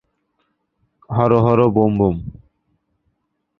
হর হর ব্যোম ব্যোম!